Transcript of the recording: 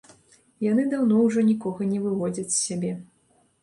Яны даўно ўжо нікога не выводзяць з сябе.